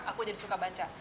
aku jadi suka baca